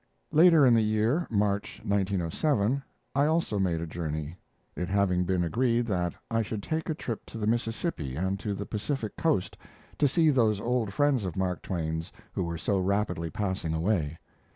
Later in the year (March, 1907) I also made a journey; it having been agreed that I should take a trip to the Mississippi and to the Pacific coast to see those old friends of Mark Twain's who were so rapidly passing away.